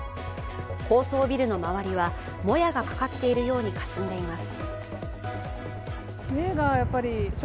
高層ビルの周りは、もやがかかっているようにかすんでいます。